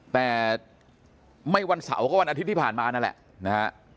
แต่ไม่วันเสาร์ก็วันอาทิตย์ที่ผ่านมานั่นแหละนะฮะ